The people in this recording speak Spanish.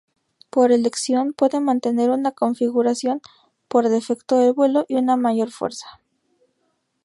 Por elección, puede mantener una configuración por defecto el vuelo y una mayor fuerza.